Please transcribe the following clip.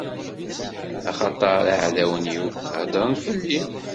Axaṭer iɛdawen-iw heddren fell-i.